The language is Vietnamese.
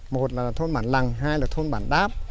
một là thôn bản lằng hai là thôn bản đáp